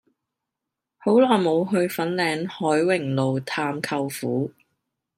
好耐無去粉嶺凱榮路探舅父